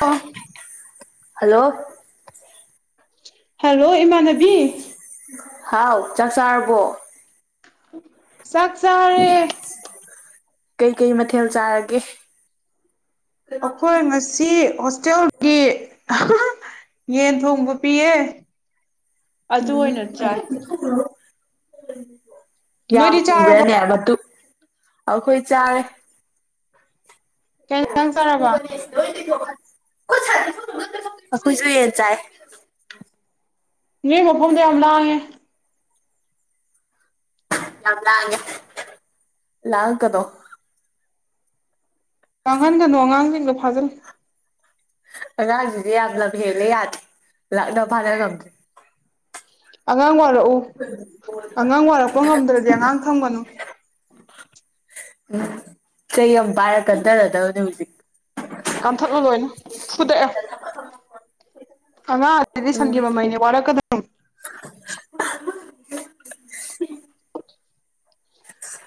ꯑꯣ hello hello ꯏꯃꯥꯟꯅ ꯍꯥꯎ ꯆꯥꯛ ꯆꯥꯔꯕꯣ ꯆꯥꯛ ꯆꯥ ꯀꯩ ꯀꯩ ꯃꯊꯦꯜ ꯆꯥꯔꯒꯦ ꯑꯩꯈꯣꯏ ꯉꯁꯤ ꯍꯣꯁꯇꯦꯜꯒꯤ ꯌꯦꯟ ꯊꯣꯡꯕ ꯄꯤꯌꯦ ꯑꯗꯨ ꯎꯝ ꯑꯣꯏꯅ ꯆꯥꯏ ꯌꯥꯝ ꯅꯣꯏꯗꯤ ꯆꯥꯔꯕꯣ ꯄꯤꯕ꯭ꯔꯅꯦ ꯃꯇꯨꯞ ꯑꯩꯈꯣꯏ ꯆꯥꯔꯦ ꯀꯩ ꯏꯟꯖꯥꯡ ꯆꯥꯔꯕ ꯑꯩꯈꫭꯏꯖꯨ ꯌꯦꯟ ꯆꯥꯏꯌꯦ ꯅꯦ ꯃꯐꯝꯗ ꯌꯥꯝ ꯂꯥꯡꯉꯦ ꯌꯥꯝ ꯂꯥꯡꯉꯦ ꯂꯥꯡꯉꯛꯀꯅꫭ ꯂꯡꯍꯟꯒꯅꫭ ꯑꯉꯥꯡꯁꯤꯡꯗꯣ ꯐꯥꯖꯜ ꯑꯉꯥꯡꯖꯤꯡꯖꯦ ꯌꯥꯝ ꯂꯝ ꯍꯦꯜꯂꯦ ꯌꯥꯗꯦ ꯂꯛꯅꯕ ꯐꯥꯅ ꯉꯝꯗ꯭ꯔꯦ ꯑꯉꯥꯡ ꯋꯥꯔꯛꯎ ꯑꯉꯥꯡ ꯋꯥꯔꯛꯄ ꯉꯝꯗ꯭ꯔꯗꯤ ꯑꯉꯥꯡ ꯊꯝꯒꯅꯨ ꯎꯝ ꯆꯩ ꯑꯃ ꯄꯥꯏꯔ ꯀꯟꯗꯔꯗꯕꯅꯦ ꯍꯧꯖꯤꯛ ꯀꯟꯊꯠꯂꫭ ꯂꯣꯏꯅ ꯐꯨꯗꯛꯑꯦ ꯑꯉꯥꯡ ꯖꯤꯗꯤ ꯎꯝ ꯁꯟꯒꯤ ꯃꯃꯩꯅꯦ ꯋꯥꯔꯛꯀꯗꯕꯅꯦ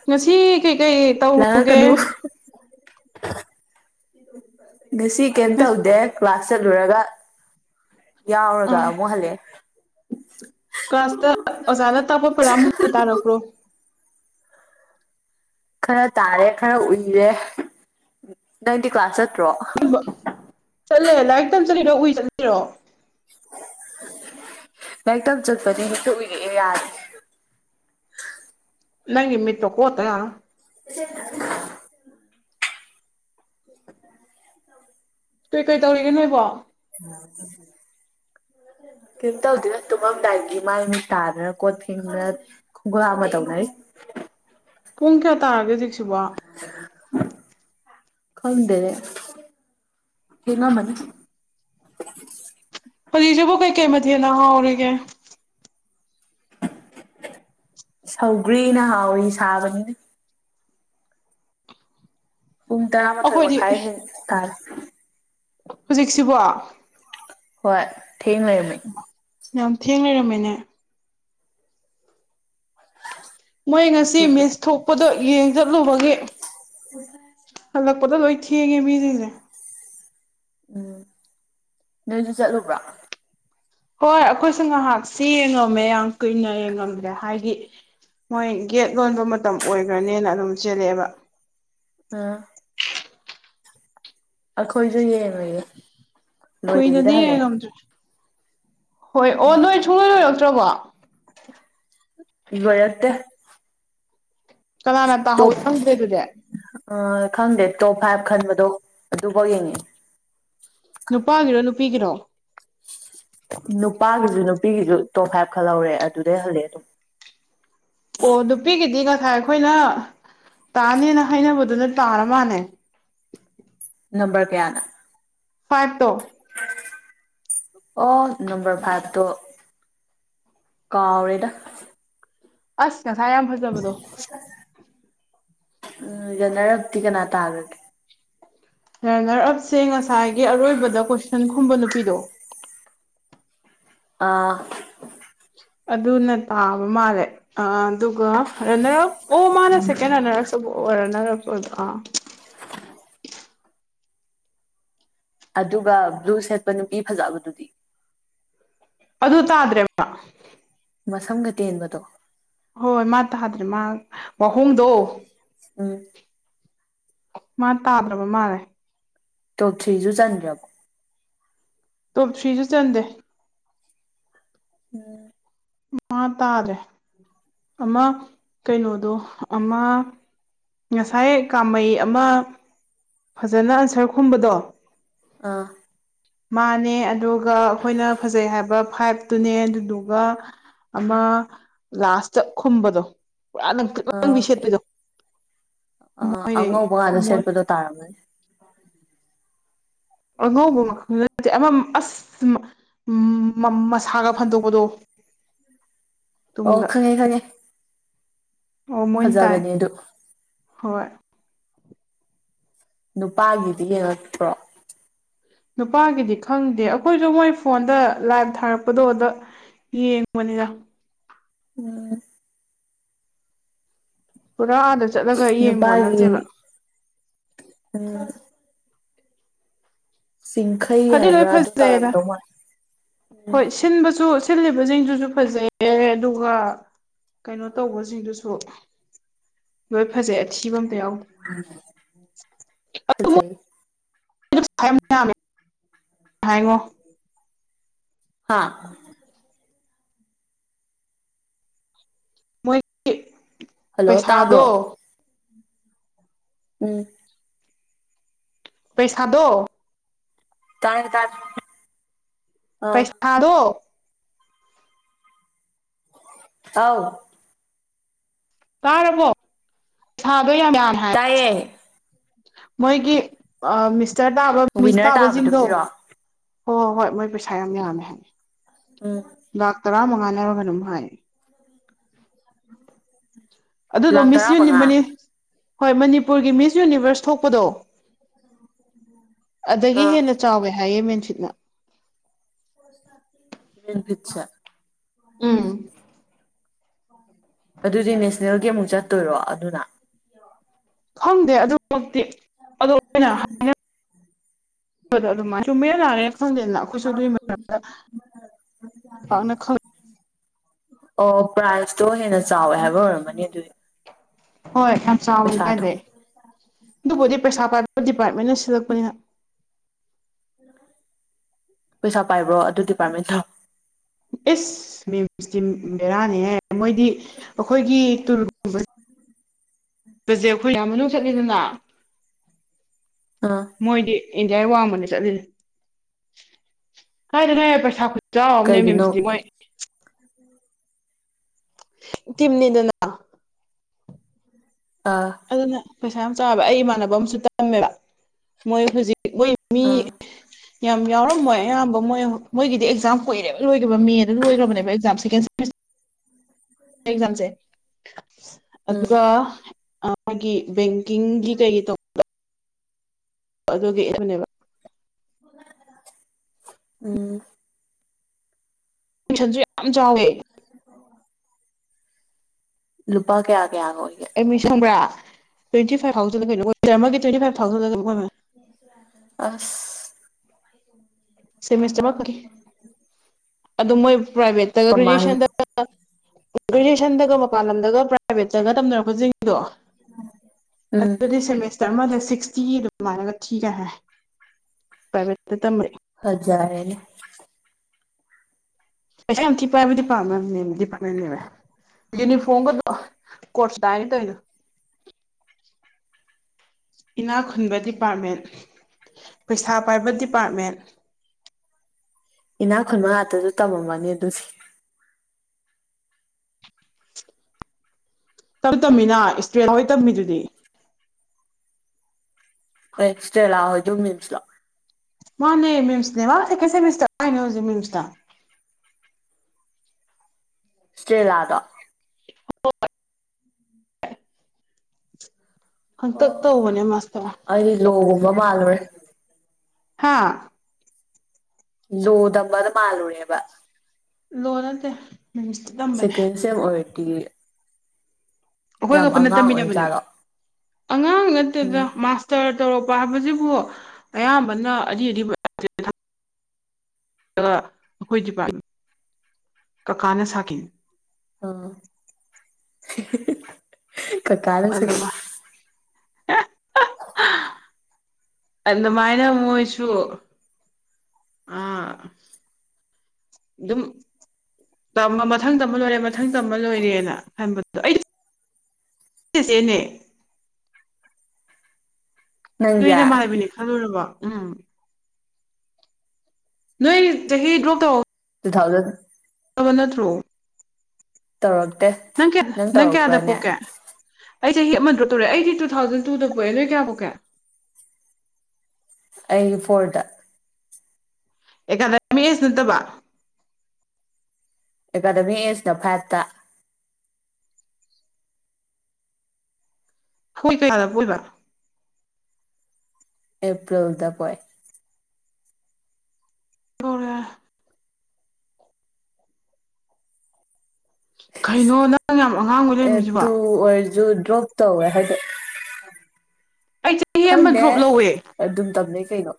ꯉꯁꯤ ꯀꯩ ꯀꯩ ꯇꯧꯒꯦ ꯂꯥꯡꯉꯛꯀꯅꯨ ꯉꯁꯤ ꯀꯩꯝ ꯇꯧꯗꯦ ꯀ꯭ꯂꯥꯁ ꯆꯠꯂꯨꯔꯒ ꯌꯥꯎꯔꯒ ꯑꯥ ꯑꯃꯨꯛ ꯍꯜꯂꯛꯑꯦ ꯀ꯭ꯂꯥꯁꯇ ꯑꯣꯖꯥꯅ ꯇꯥꯛꯄ ꯄꯥꯔꯥ ꯃꯨꯟꯅ ꯇꯥꯔꯛꯄꯔꫭ ꯈꯔ ꯇꯥꯔꯦ ꯈꯔ ꯎꯏꯔꯦ ꯅꯪꯗꯤ ꯀ꯭ꯂꯥꯁ ꯆꯠꯇ꯭ꯔꯣ ꯆꯠꯂꯦ ꯂꯥꯏꯔꯤꯛ ꯇꯝ ꯆꯠꯂꯤꯔꯣ ꯎꯨꯏ ꯆꯠꯂꯤꯔꯣ ꯂꯥꯏꯔꯤꯛꯇꯝ ꯆꯠꯄꯅꯦ ꯍꯦꯛꯇ ꯎꯨꯏꯔꯛꯑꯦ ꯌꯥꯗꯦ ꯅꯪꯒꯤ ꯃꯤꯠꯇꯣ ꯀꯣꯠꯇ ꯌꯤꯔꯔꯣꯏ ꯑꯗꯨ [unintelligible] ꯀꯩꯀꯩ ꯇꯧꯔꯤꯒꯦ ꯅꯣꯏꯕꯣ ꯎ [unintelligible] [inaudible] ꯀꯩꯝ ꯇꯧꯗꯦꯗ ꯇꯨꯝꯃꯝꯗꯥꯏꯒꯤ ꯃꯥꯏ ꯃꯤ ꯇꯥꯗꯅ ꯀꯣꯟ ꯐꯦꯡꯗꯅ ꯈꯣꯡꯈꯨꯠ ꯍꯥꯝꯗꯅ ꯇꯧꯅꯔꯤ ꯄꯨꯡ ꯀꯌꯥ ꯇꯥꯔꯒꯦ ꯍꯧꯖꯤꯛꯁꯤꯕꯣ ꯈꯗꯦꯅꯦ ꯊꯦꯡꯉꯝꯃꯅꯤ ꯍꯧꯖꯤꯛꯁꯤꯕꯨ ꯀꯩꯀꯩ ꯃꯊꯦꯟꯅ ꯍꯥꯎꯔꯤꯒꯦ ꯁꯧꯒ꯭ꯔꯤꯅ ꯍꯥꯎꯔꯤ ꯁꯥꯕꯅꯤꯅ ꯄꯨꯡ ꯇꯔꯥꯃꯥꯊꯣꯏ ꯑꯩꯈꯣꯏꯗꯤ ꯃꯈꯥꯏ ꯍꯦꯟ ꯇꯥꯔꯦ ꯍꯧꯖꯤꯛꯁꯤꯕꯣ ꯍꯣꯏ ꯊꯦꯡ ꯂꯩꯔꯝꯃꯦ ꯌꯥꯝ ꯊꯦꯡ ꯂꯩꯔꯝꯃꯦꯅꯦ ꯃꯣꯏ ꯉꯁꯤ ꯑꯗꯨꯕꯨ ꯃꯤꯁ ꯊꯣꯛꯄꯗꯣ ꯌꯦꯡ ꯆꯠꯂꯨꯕꯒꯤ ꯎꯝ [inaudible] ꯍꯜꯂꯛꯄꯗ ꯂꯣꯏ ꯊꯦꯡꯉꯦ ꯃꯤ ꯁꯤꯡꯁꯦ ꯎꯝ ꯅꯣꯏꯁꯨ ꯆꯠꯂꯨꯕ꯭ꯔꯣ ꯍꯣꯏ ꯑꯩꯈꯣꯏꯁꯨ ꯉꯥꯏꯍꯥꯛꯁꯤ ꯌꯦꯡꯉꯝꯃꯦ ꯌꯥꯝ ꯀꯨꯏꯅ ꯌꯦꯡꯉꯝꯗ꯭ꯔꯦ ꯍꯥꯏꯗꯤ ꯃꯣꯏ ꯒꯦꯠ ꯂꯣꯟꯕ ꯃꯇꯝ ꯑꯣꯏꯈ꯭ꯔꯅꯦꯅ ꯑꯗꯨꯝ ꯆꯦꯜꯂꯛꯑꯦꯕ ꯎꯝ ꯑꯩꯈꯣꯏꯁꯨ ꯌꯦꯡꯉꯨꯏꯌꯦ ꯂꯣꯏꯗꯕꯤꯗ ꯀꯨꯏꯅꯗ ꯍꯜꯂꯛꯑꯦ ꯌꯦꯡꯉꯝꯗ꯭ꯔꯦ ꯍꯣꯏ ꯑꯣ ꯅꯣꯏ ꯁꯨꯡꯂꯣꯏ ꯂꯣꯏꯔꯛꯇ꯭ꯔꯕꯣ ꯂꯣꯏꯔꯛꯇꯦ ꯀꯅꯥꯅ ꯇꯥꯍꯧ ꯇꯣꯞ ꯈꯪꯗ꯭ꯔꯦ ꯑꯗꯨꯗꯤ ꯑꯥ ꯈꯪꯗꯦ ꯇꯣꯞ ꯐꯥꯏꯚ ꯈꯟꯕꯗꯣ ꯑꯗꯨꯐꯥꯎ ꯌꯦꯡꯉꯦ ꯅꯨꯄꯥꯒꯤꯔꯣ ꯅꯨꯄꯤꯒꯤꯔꯣ ꯅꯨꯄꯥꯒꯤꯁꯨ ꯅꯨꯄꯤꯒꯤꯁꯨ ꯇꯣꯞ ꯐꯥꯏꯚ ꯈꯜꯍꯧꯔꯦ ꯑꯗꯨꯗꯩ ꯍꯜꯂꯦ ꯑꯗꯨꯝ ꯑꯣ ꯅꯨꯄꯤꯒꯤꯗꯤ ꯉꯁꯥꯏ ꯑꯩꯈꯣꯏꯅ ꯇꯥꯅꯦꯅ ꯍꯥꯏꯅꯕꯗꯨꯅ ꯇꯥꯔ ꯃꯥꯜꯅꯦ ꯅꯝꯕꯔ ꯀꯌꯥꯅ ꯐꯥꯏꯚꯇꯣ ꯑꯣ ꯅꯝꯕꯔ ꯐꯥꯏꯚ ꯇꯣ ꯀꯥꯎꯔꯦꯗ ꯑꯁ ꯉꯁꯥ ꯌꯥꯝ ꯐꯖꯕꯗꯣ ꯎꯝ ꯅꯔꯛꯇꯤ ꯀꯅꯥ ꯇꯥꯒꯦ ꯔꯟꯅꯔ ꯑꯞꯁꯦ ꯉꯁꯥꯏꯒꯤ ꯑꯔꯣꯏꯕꯗ ꯀꯣꯏꯁꯟ ꯈꯨꯝꯕ ꯅꯨꯄꯤꯗꯣ ꯑꯥ ꯑꯗꯨꯅ ꯇꯥꯕ ꯃꯥꯜꯂꯦ ꯑ ꯑꯗꯨꯒ ꯔꯟꯅꯔ ꯑꯞ ꯑꯣ ꯃꯥꯅ ꯁꯦꯀꯦꯟ ꯔꯟꯅꯔ ꯑꯞꯁꯨ ꯔꯟꯅꯔ ꯑꯞ ꯁꯨ ꯑꯣꯏꯕ ꯑꯥ ꯑꯗꯨꯒ ꯕ꯭ꯂꯨ ꯁꯦꯠꯄ ꯅꯨꯄꯤ ꯐꯖꯕꯗꯨꯗꯤ ꯑꯗꯨ ꯇꯥꯗ꯭ꯔꯦꯃꯥ ꯃꯁꯝꯒ ꯇꯦꯟꯕꯗꯣ ꯍꯣꯏ ꯃꯥ ꯇꯥꯗ꯭ꯔꯦ ꯃꯥ ꯋꯥꯍꯣꯡꯗꯣ ꯎꯝ ꯃꯥ ꯇꯥꯗ꯭ꯔꯕ ꯃꯥꯜꯂꯦ ꯇꯣꯞ ꯊ꯭ꯔꯤꯁꯨ ꯆꯟꯈ꯭ꯔꯕꯣ ꯇꯣꯞ ꯊ꯭ꯔꯤꯁꯨ ꯆꯟꯗꯦ ꯎꯝ ꯃꯥ ꯇꯥꯗ꯭ꯔꯦ ꯑꯃ ꯀꯩꯅꯣꯗꯣ ꯑꯃ ꯉꯁꯥꯏ ꯀꯥꯃꯩ ꯑꯃ ꯐꯖꯅ ꯑꯟꯁꯔ ꯈꯨꯝꯕꯗꯣ ꯑꯥ ꯃꯥꯅꯦ ꯑꯗꯨꯒ ꯑꯩꯈꯣꯏꯅ ꯐꯖꯩ ꯍꯥꯏꯕ ꯐꯥꯏꯚꯇꯨꯅꯦ ꯑꯗꯨꯗꯨꯒ ꯑꯃ ꯂꯥꯁꯇꯥ ꯈꯨꯝꯕꯗꯣ ꯄꯨꯔꯥ ꯂꯥꯡꯇ꯭ꯔꯤꯛ ꯂꯥꯡꯕꯤ ꯑꯥ ꯁꯦꯠꯕꯗꯣ ꯑꯥ ꯑꯉꯧꯕ ꯉꯥꯛꯇ ꯃꯣꯏ ꯁꯦꯠꯄꯗꯣ ꯇꯥꯔꯝꯒꯅꯤ ꯑꯉꯧꯕ ꯃꯈꯜ ꯅꯠꯇꯦ ꯑꯃ ꯑꯁ ꯃꯁꯥꯒ ꯐꯟꯗꯣꯛꯄꯗꯣ ꯑꯣ ꯇꯨꯡꯗ ꯈꯪꯉꯦ ꯈꯪꯉꯦ ꯑꯣ ꯃꯣꯏꯅ ꯇꯥꯏ ꯐꯖꯕꯅꯦ ꯑꯗꯨ ꯍꯣꯏ ꯅꯨꯄꯥꯒꯤꯗꯤ ꯌꯦꯡꯉꯛꯇ꯭ꯔꯣ ꯅꯨꯄꯥꯒꯤꯗꯤ ꯈꯪꯗꯦ ꯑꯩꯈꯣꯏꯁꯨ ꯃꯣꯏ ꯐꯣꯟꯗ ꯂꯥꯏꯚ ꯊꯥꯔꯛꯄꯗꯣ ꯑꯗ ꯌꯦꯡꯕꯅꯤꯗ ꯎꯝ ꯄꯨꯔꯥ ꯑꯗ ꯆꯠꯂꯒ ꯌꯦꯡꯕ ꯅꯨꯄꯥꯒꯤ ꯅꯠꯇꯦꯕ ꯎꯝ ꯆꯤꯡꯈꯩ ꯐꯗꯤ ꯂꯣꯏ ꯍꯥꯏꯕ꯭ꯔꯥ ꯑꯗꯨ ꯐꯖꯩꯗ ꯇꯥꯔꯝꯗꯧ ꯃꯥꯜꯂꯦ ꯍꯣꯏ ꯁꯤꯟꯕꯁꯨ ꯁꯤꯜꯂꯤꯕꯁꯤꯡꯗꯨꯁꯨ ꯐꯖꯩꯌꯦ ꯑꯗꯨꯒ ꯀꯩꯅꯣ ꯇꯧꯕꯁꯤꯡꯗꯨꯁꯨ ꯂꯣꯏ ꯐꯖꯩ ꯑꯊꯤꯕ ꯑꯝꯇ ꯌꯥꯎꯗꯦ ꯍꯆ [inaudible] ꯃꯦ ꯍꯥꯏꯉꯣ [inaudible] ꯍꯥꯥ ꯃꯣꯏꯒꯤ ꯍꯜꯂꯣ ꯇꯥꯕ꯭ꯔꯣ ꯄꯩꯁꯥꯗꯣ ꯎꯝ ꯄꯩꯁꯥꯗꯣ ꯇꯥꯔꯦ ꯇꯥꯔꯦ ꯑꯥ ꯄꯩꯁꯥꯗꯣ ꯑꯥꯎ ꯀꯥꯔꯕꯣ ꯁꯥꯗꯣꯏ ꯌꯥꯝ ꯌꯥꯝꯃꯦ ꯍꯥꯏ ꯇꯥꯏꯌꯦ ꯃꯣꯏꯒꯤ ꯑꯥ ꯃꯤꯁꯇꯔ ꯇꯥꯕ ꯃꯤꯁ ꯋꯤꯟꯅꯔ ꯇꯥꯕꯁꯤꯡꯗꯣ ꯇꯥꯕꯗꯨꯒꯤꯔꯣ ꯍꯣꯏ ꯍꯣꯏ ꯃꯣꯏ ꯄꯩꯁꯥ ꯌꯥꯝ ꯌꯥꯝꯃꯦ ꯍꯥꯏ ꯎꯝ ꯂꯥꯛ ꯇꯔꯥ ꯃꯉꯥꯅꯦ ꯀꯩꯅꯣꯝꯃ ꯍꯥꯢ ꯑꯗꯨꯗꯣ ꯂꯥꯛ ꯃꯤꯁ ꯇꯔꯥꯃꯉꯥ ꯌꯨꯅꯤꯕꯅꯤ ꯍꯣꯏ ꯃꯅꯤꯄꯨꯔꯒꯤ ꯃꯤꯁ ꯌꯨꯅꯤꯚꯔꯁ ꯊꯣꯛꯄꯗꯣ ꯑꯗꯒꯤ ꯑꯥ ꯍꯦꯟꯅ ꯆꯥꯎꯋꯦ ꯍꯥꯏꯌꯦ ꯃꯦꯟꯐꯤꯠꯅ ꯃꯦꯟꯐꯤꯠꯁꯦ ꯎꯝ ꯑꯗꯨꯗꯤ ꯅꯦꯁꯅꯦꯜꯒꯤ ꯑꯃꯨꯛ ꯆꯠꯇꯣꯏꯔꯣ ꯑꯗꯨꯅ ꯈꯪꯗꯦ ꯑꯗꯨꯃꯛꯇꯤ ꯑ ꯑꯣꯏꯅ ꯍꯥꯏ [inaudible] ꯗ ꯑꯗꯨꯃꯥꯏ ꯆꯨꯝꯃꯦ ꯌꯥꯔꯦ [inaudible] ꯈꯪꯗꯦꯅ ꯑꯩꯈꯣꯏꯁꯨ ꯑꯗꯨꯒꯤ ꯃꯔꯅ ꯑꯣ ꯄ꯭ꯔꯥꯏꯖꯇꯣ ꯍꯦꯟꯅ ꯆꯥꯎꯋꯦ ꯍꯥꯏꯕ ꯑꯣꯏꯔꯝꯃꯅꯤ ꯑꯗꯨꯗꯤ ꯍꯣꯏ ꯌꯥꯝ ꯆꯥꯎꯋꯤ ꯄꯩꯁꯥꯗꯣ ꯀꯥꯏꯗꯩ ꯑꯗꯨꯕꯨꯗꯤ ꯄꯩꯁꯥ ꯄꯥꯏꯕ ꯗꯤꯄꯥꯔꯠꯃꯦꯟꯅ ꯁꯤꯜꯂꯛꯄꯅꯤꯅ ꯄꯩꯁꯥ ꯄꯥꯏꯕ꯭ꯔꯣ ꯑꯗꯨ ꯗꯤꯄꯥꯔꯠꯃꯦꯟ ꯗꯣ ꯑꯦꯁ ꯃꯦꯝꯁꯇꯤ ꯕꯦꯔꯥꯅꯤꯍꯦ ꯃꯣꯏꯗꯤ ꯑꯩꯈꯣꯏꯒꯤ ꯇꯨꯔꯒꯕꯁꯦ ꯑꯩꯈꯣꯏ ꯢꯟꯗꯤꯌꯥ ꯃꯅꯨꯡ ꯆꯠꯂꯤꯗꯅ ꯑꯥ ꯃꯣꯏꯗꯤ ꯏꯟꯗꯤꯌꯥꯒꯤ ꯋꯥꯡꯃꯅꯦ ꯆꯠꯂꯤꯁꯦ ꯀꯥꯏꯗꯩꯅꯣꯍꯦ ꯄꯩꯁꯥ ꯈꯨꯆꯥꯎ ꯑꯃꯅꯦ ꯀꯩꯒꯤꯅꯣ ꯃꯤꯝꯁꯇꯤ ꯃꯣꯢ ꯇꯝꯅꯤꯗꯅ ꯑꯥ ꯑꯗꯨꯅ ꯄꯩꯁꯥ ꯌꯥꯝ ꯆꯥꯎꯑꯦꯕ ꯑꯩ ꯏꯃꯥꯟꯅꯕ ꯑꯃꯁꯨ ꯇꯝꯃꯦꯕ ꯃꯣꯏ ꯍꯧꯖꯤꯛ ꯃꯣꯏ ꯃꯤ ꯑꯥ ꯌꯥꯝ ꯌꯥꯎꯔꯝꯃꯣꯏ ꯑꯌꯥꯝꯕ ꯃꯣꯏ ꯃꯣꯏꯒꯤꯗꯤ ꯑꯦꯛꯖꯥꯝ ꯀꯣꯏꯔꯦ ꯂꯣꯏꯈꯤꯕ ꯃꯦꯗ ꯂꯣꯏꯈ꯭ꯔꯕꯅꯦꯕ ꯑꯦꯛꯖꯥꯝ ꯁꯦꯀꯦꯟ ꯑꯦꯛꯖꯥꯝꯁꯦ ꯎꯝ ꯑꯗꯨꯒ ꯃꯥꯒꯤ ꯕꯦꯡꯀꯤꯡꯒꯤ ꯀꯩꯒꯤ ꯇꯧ ꯑꯗꯨꯒꯤ ꯑꯗꯨꯅꯦꯕ ꯎꯝ ꯁꯟꯁꯨ ꯌꯥꯝ ꯆꯥꯎꯋꯦ [unintelligible] ꯂꯨꯄꯥ ꯀꯌꯥ ꯀꯌꯥ ꯑꯣꯏꯒꯦ ꯑꯦꯠꯃꯤ ꯈꯪꯕ꯭ꯔꯥ ꯇ꯭ꯋꯦꯟꯇꯤꯥꯏꯚ ꯊꯥꯎꯖꯟ ꯀꯩꯅꯣꯔꯃꯒꯤ [inaudible] ꯇ꯭ꯋꯦꯟꯇꯤ ꯐꯥꯏꯚ ꯊꯥꯎꯖꯟꯗ ꯑꯁ ꯁꯤꯦꯃꯤꯁꯇꯔ ꯑꯃ ꯈꯥꯛꯒꯤ ꯑꯗꯨ ꯃꯣꯏ ꯄ꯭ꯔꯥꯏꯚꯦꯠꯇꯒ ꯀꯃꯥꯏꯅ ꯀꯔꯦꯖꯨꯌꯦꯠꯁꯟꯗ ꯒ꯭ꯔꯦꯖꯨꯌꯦꯁꯟꯗꯒ ꯃꯄꯥꯟ ꯂꯝꯗꯒ ꯄ꯭ꯔꯥꯏꯚꯦꯠ ꯇꯒ ꯇꯝꯅꯔꯛꯄꯁꯤꯡꯗꯣ ꯎꯝ ꯑꯗꯨꯗꯤ ꯁꯤꯝ ꯑꯃꯗ ꯁꯤꯛꯁꯇꯤ ꯑꯗꯨꯃꯥꯏꯅꯒ ꯊꯤꯒ ꯍꯥꯏ ꯄ꯭ꯔꯥꯏꯚꯦꯠꯇ ꯇꯝꯕ ꯐꯖꯔꯦꯅꯦ ꯄꯩꯁꯥ ꯌꯥꯝ ꯊꯤ ꯄꯥꯏꯕ ꯗꯤꯄꯥꯠꯃꯦꯟꯅꯦꯃꯦ ꯗꯤꯄꯥꯠꯃꯦꯟꯅꯦꯃꯦ ꯌꯨꯅꯤꯐꯣꯝꯒꯗꯣ ꯀꯣꯠꯁ ꯇꯥꯏꯅ ꯇꯧꯔꯤꯗꯣ ꯏꯅꯥ ꯈꯨꯟꯕ ꯗꯤꯄꯥꯔꯠꯃꯦꯟ ꯄꯩꯁꯥ ꯄꯥꯏꯕ ꯗꯤꯄꯥꯔꯠꯃꯦꯟ ꯏꯅꯥꯛ ꯈꯨꯟꯃ ꯉꯥꯛꯇꯁꯨ ꯇꯝꯃꯝꯃꯅꯤ ꯑꯗꯨꯒꯤ ꯇꯞ ꯇꯝꯃꯤꯅ ꯏꯁꯇ꯭ꯔꯦꯂ ꯍꯣꯏ ꯇꯝꯃꯤꯗꯨꯗꯤ ꯢꯁꯇꯔꯦꯂ ꯍꯣꯢꯗꯣ ꯃꯤꯝꯢꯂꯣ ꯃꯥꯅꯦ ꯃꯤꯃꯅꯦ ꯃꯥ ꯁꯦꯀꯦꯟ ꯁꯤꯃꯤꯁꯇꯔ ꯀꯥꯢꯅꯦ ꯃꯤꯃꯇ ꯢꯁꯇꯔꯦꯂꯥꯗꯣ ꯍꯣꯢ ꯍꯥꯡꯇꯛ ꯑꯣ ꯇꯧꯕꯅꯦ ꯃꯥꯁꯇꯔ ꯑꯩꯗꯤ ꯂꯣꯒꯨꯝꯕ ꯃꯥꯜꯂꯨꯔꯦ ꯍꯥꯥ ꯂꯣ ꯇꯝꯕꯗꯣ ꯃꯥꯜꯂꯨꯔꯦꯕ ꯂꯣ ꯅꯠꯇꯦ ꯃꯤꯃꯁꯇ ꯁꯦꯀꯦꯟ ꯁꯦꯝ ꯑꯣꯏꯔꯗꯤ ꯌꯥꯝ ꯑꯩꯈꯣꯏꯒ ꯄꯨꯟꯅ ꯑꯉꯥꯡ ꯇꯝꯃꯤꯟꯅꯕꯅꯦ ꯑꯣꯏꯖꯥꯠꯂꯣ ꯑꯉꯥꯡ ꯅꯠꯇꯦꯗ ꯎꯝ ꯃꯥꯁꯇꯔ ꯇꯧꯔꯛꯄ ꯍꯥꯏꯕꯁꯤꯕꯨ ꯑꯌꯥꯝꯕꯅ ꯑꯔꯤ ꯑꯔꯤꯕ ꯑꯩꯈꯣꯏ ꯗꯤꯄꯥꯔꯠꯃꯦꯟ ꯀꯀꯥꯅ ꯁꯥꯈꯤꯅꯤ ꯑꯣ ꯀꯥꯀꯥꯅ ꯁꯥꯈꯤ ꯑꯗꯨꯃꯥꯏ ꯑꯗꯨꯃꯥꯏꯅ ꯃꯣꯏꯁꯨ ꯑꯥ ꯑꯗꯨꯝ ꯃꯊꯪ ꯇꯝꯃ ꯂꯣꯏꯔꯦ ꯃꯊꯪ ꯇꯝꯝꯕ ꯂꯣꯏꯔꯦꯅ ꯈꯟꯕꯗꯣ ꯑꯩ ꯆꯦꯆꯦꯅꯦ ꯅꯣꯏ ꯅꯪꯁꯦ ꯅꯃꯥꯟꯅꯕꯤꯅꯦ ꯈꯜꯂꯨꯔꯕꯣ ꯎꯝ ꯅꯣꯏ ꯆꯍꯤ ꯗ꯭ꯔꯣꯞ ꯇꯧ ꯇꯨ ꯊꯥꯎꯖꯟ ꯇꯕ ꯅꯠꯇ꯭ꯔꯣ ꯇꯧꯔꯛꯇꯦ ꯅꯪ ꯀꯦ ꯅꯪ ꯀꯥꯌꯥꯗ ꯄꯣꯛꯒꯦ ꯑꯩ ꯆꯍꯤ ꯑꯃ ꯗꯔꯣꯞ ꯇꯧꯔꯛꯑꯦ ꯑꯩꯗꯤ ꯇꯨ ꯊꯥꯎꯖꯟ ꯇꯨꯗ ꯄꯣꯛꯑꯦ ꯅꯣꯏ ꯀꯌꯥ ꯄꯣꯛꯀꯦ ꯑꯩ ꯐꯣꯔꯗ ꯑꯦꯀꯥꯗꯃꯤꯁ ꯌꯦꯁ ꯅꯠꯇꯕ ꯑꯦꯀꯥꯗꯃꯤꯛ ꯑꯦꯖꯅ ꯐꯥꯏꯞꯇ ꯍꯣꯏ ꯀꯩꯌꯥꯗ ꯄꯣꯛꯏꯕ ꯑꯦꯄ꯭ꯔꯤꯜꯗ ꯄꯣꯛꯑꯦ ꯍꯧꯔꯦ ꯀꯩꯅꯣ ꯅꯪ ꯌꯥꯝ ꯑꯉꯥꯡ ꯑꯣꯏ ꯑꯦ ꯂꯩꯔꯝꯃꯤꯖꯤꯕꯣ ꯇꯨ ꯑꯣꯏꯔꯁꯨ ꯗ꯭ꯔꯣꯞ ꯇꯧꯋꯦ ꯍꯥꯏꯗꯤ ꯑꯩ ꯆꯍꯤ ꯑꯃ ꯈꯪꯗꯦ ꯗ꯭ꯔꯣꯞ ꯂꯧꯋꯦ ꯑꯗꯨꯝ ꯇꯝꯅꯩ ꯀꯩꯅꯣ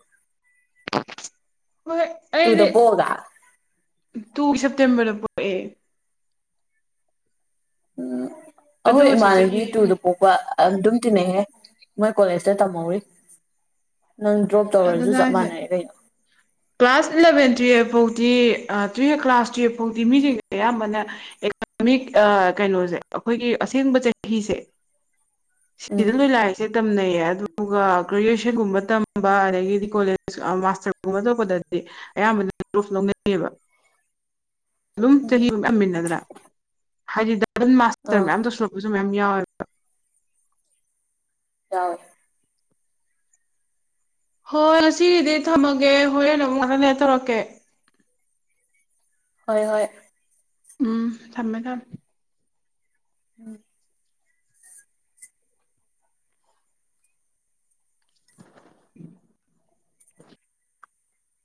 ꯍꯣꯏ ꯑꯩꯗꯤ ꯇꯨꯗ ꯄꯣꯛꯑꯒ ꯇꯨꯒꯤ ꯁꯦꯞꯇꯦꯝꯕꯔꯗ ꯄꯣꯛꯑꯦ ꯎꯝ ꯑꯗꯨ ꯑꯍꯣꯏ ꯑꯣꯏꯔꯁꯨ ꯆꯍꯤ ꯏꯃꯥꯟꯅꯕꯤ ꯑꯃ ꯇꯨꯗ ꯄꯣꯛ ꯑꯗꯨꯝ ꯇꯤꯟꯅꯩꯍꯦ ꯃꯣꯏ ꯀꯣꯂꯦꯖꯇ ꯇꯝꯍꯧꯔꯤ ꯅꯪ ꯗ꯭ꯔꯣꯞ ꯇꯧꯔꯁꯨ ꯑꯗꯨꯅꯦ ꯆꯞ ꯍꯥꯏꯖꯦ ꯃꯥꯟꯅꯩ ꯀꯩꯅꯣ ꯀ꯭ꯂꯥꯁ ꯏꯂꯚꯦꯟ ꯇꯨꯌꯦꯐ ꯐꯥꯎꯗꯤ ꯑ ꯇꯨꯌꯦꯐ ꯀ꯭ꯂꯥꯁ ꯇꯨꯌꯦꯐ ꯐꯥꯎꯗꯤ ꯃꯤꯁꯤꯡꯖꯦ ꯑꯌꯥꯝꯕꯅ ꯑꯦꯀꯥꯗꯃꯤꯛ ꯑ ꯀꯩꯅꯣꯖꯦ ꯑꯩꯈꯣꯏꯒꯤ ꯑꯁꯦꯡꯕ ꯆꯍꯤꯁꯦ ꯁꯤꯗ ꯎꯝ ꯂꯣꯏ ꯂꯥꯏꯔꯤꯁꯦ ꯇꯝꯅꯩꯌꯦ ꯑꯗꯨꯒ ꯒ꯭ꯔꯦꯖꯨꯋꯦꯁꯟꯒꯨꯝꯕ ꯇꯝ ꯨꯕ ꯑꯗꯒꯤꯗꯤ ꯀꯣꯂꯦꯖ ꯃꯥꯁꯇꯔꯒꯨꯝꯕ ꯇꯧꯕꯗꯗꯤ ꯑꯌꯥꯝꯕꯅ ꯄ꯭ꯔꯨꯐ ꯂꯧꯅꯩꯌꯦꯕ ꯑꯗꯨꯝ ꯎꯝ [unintelligible] ꯍꯥꯏꯗꯤ ꯗꯕꯜ ꯃꯥꯁꯇꯔ ꯑꯥ ꯃꯌꯥꯝ ꯇꯧꯁꯜꯂꯛ ꯄꯁꯨ ꯃꯌꯥꯝ ꯌꯥꯎꯋꯦꯕ ꯌꯥꯎꯋꯦ ꯍꯣꯏ ꯉꯥꯁꯤꯒꯤꯗꯤ ꯊꯝꯃꯒꯦ ꯍꯣꯔꯦꯟ ꯑꯃꯨꯛ ꯉꯥꯛꯇꯪ ꯂꯩꯔꯥ ꯇꯧꯔꯛꯀꯦ ꯍꯣꯏ ꯍꯣꯏ ꯎꯝ ꯊꯝꯃꯦ ꯊꯝꯃꯦ [inaudible] [inaudible]